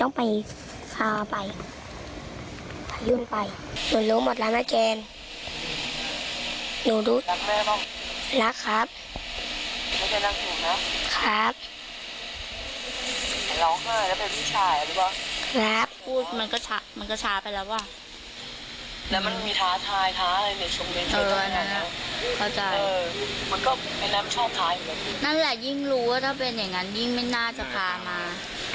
นั่นแหละยิ่งรู้ว่าถ้าเป็นอย่างนั้นยิ่งไม่น่าจะพามา